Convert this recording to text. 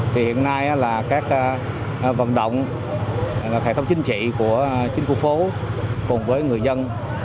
hiện nay các vận động thể thống chính trị của chính khu phố cùng với người dân